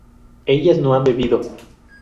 ellas no han bebido